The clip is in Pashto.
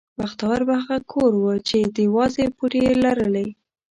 بختور به هغه کور و چې د وازې پوټې یې لرلې.